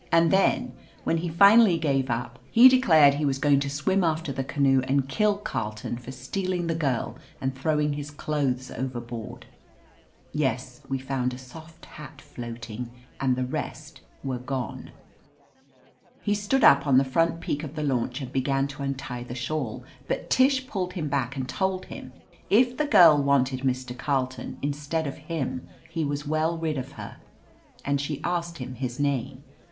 And then, when he finally gave up, he declared he was going to swim after the canoe and kill Carleton for stealing the girl and throwing his clothes overboard. (Yes, we found a soft hat floating, and the rest were gone. ) He stood up on the front peak of the launch and began to untie the shawl, but Tish pulled him back and told hifti if the girl wanted Mr. Carleton instead of him he was well rid of her. And she asked him his name.